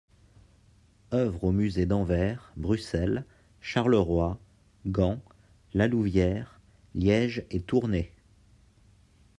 Œuvres aux Musées d'Anvers, Bruxelles, Charleroi, Gand, La Louvière, Liège et Tournai.